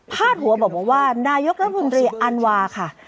หัวบอกว่านายกรัฐมนตรีอันวาค่ะ